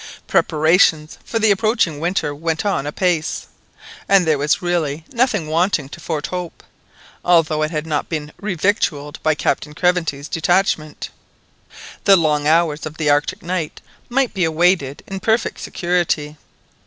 Preparations for the approaching winter went on apace, and there was really nothing wanting to Fort Hope, although it had not been revictualled by Captain Craventy's detachment. The long hours of the Arctic night might be awaited in perfect security.